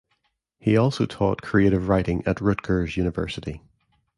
He also taught creative writing at Rutgers University.